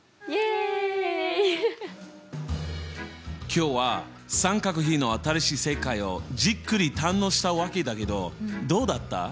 今日は三角比の新しい世界をじっくり堪能したわけだけどどうだった？